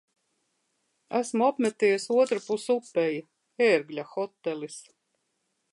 Esmu apmeties otrpus upei. "Ērgļa hotelis".